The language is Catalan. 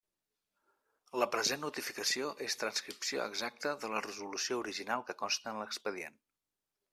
La present notificació és transcripció exacta de la resolució original que consta en l'expedient.